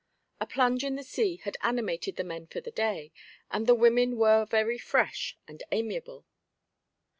A plunge in the sea had animated the men for the day, and the women were very fresh and amiable.